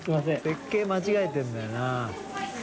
設計間違えてるんだよな。